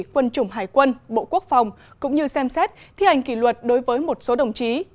quân chủng hải quân bộ quốc phòng cũng như xem xét thi hành kỷ luật đối với một số đồng chí